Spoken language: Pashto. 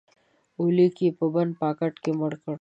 اولیک یې په بند پاکټ کې مړ کړ